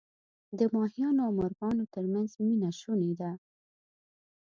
د ماهیانو او مرغانو ترمنځ مینه شوني ده.